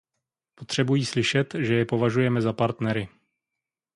Potřebují slyšet, že je považujeme za partnery.